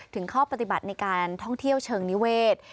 ถึงข้อปฏิบัติในการท่องเที่ยวเชิงนิเวศ